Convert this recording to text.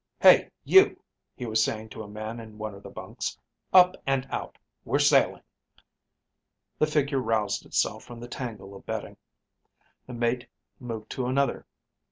"Hey, you," he was saying to a man in one of the bunks, "up and out. We're sailing." The figure roused itself from the tangle of bedding. The mate moved to another.